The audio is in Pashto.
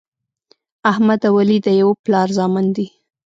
احمد او علي د یوه پلار زامن دي.